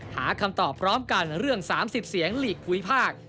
หาคำตอบพร้อมกันเรื่อง๓๐เสียงหลีกภูมิภาค